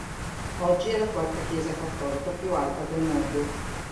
Oggi è la quarta chiesa cattolica più alta del mondo.